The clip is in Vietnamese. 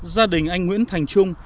gia đình anh nguyễn thành trung